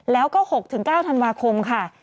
แล้วก็๖๙ธันวาคมค่ะ